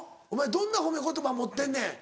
どんな褒め言葉持ってんねん。